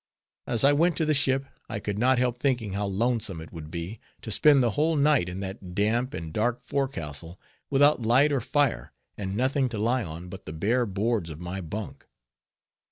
As I went to the ship, I could not help thinking how lonesome it would be, to spend the whole night in that damp and dark forecastle, without light or fire, and nothing to lie on but the bare boards of my bunk.